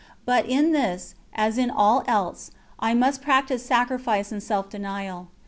But in this, as in all else, I must practise sacrifice and self denial.